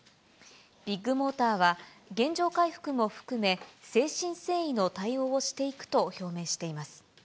ビッグモーターは、原状回復も含め、誠心誠意の対応をしていくと表明しています。